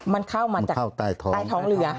มันเข้ามาจากใต้ท้องเรือ